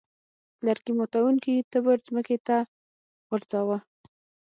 لرګي ماتوونکي تبر ځمکې ته وغورځاوه.